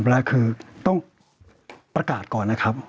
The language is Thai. ๓ระดับแรกคือต้องประกาศก่อนนะครับ